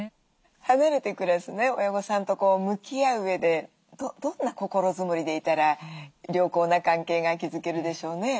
離れて暮らす親御さんと向き合ううえでどんな心づもりでいたら良好な関係が築けるでしょうね？